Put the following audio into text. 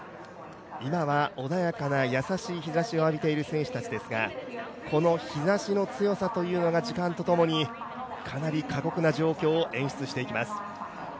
今は穏やかな優しい日ざしを浴びている選手たちですが、この日ざしの強さというのが時間とともにかなり過酷な状況を演出していきます。